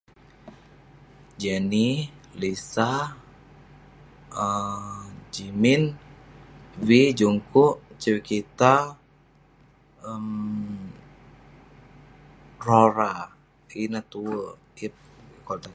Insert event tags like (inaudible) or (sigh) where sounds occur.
Jennie, Lisa, Jimin, V, Jungkook, (unintelligible) um Rora. Ineh tue- (unintelligible)